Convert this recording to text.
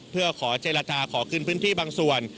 เพื่อขอเจรจาขอคืนพื้นที่บางส่วน